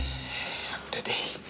ya udah deh